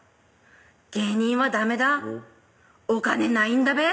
「芸人はダメだお金ないんだべ」